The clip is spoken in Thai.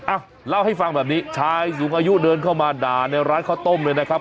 อ่ะเล่าให้ฟังแบบนี้ชายสูงอายุเดินเข้ามาด่าในร้านข้าวต้มเลยนะครับ